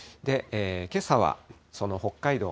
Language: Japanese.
けさはその北海道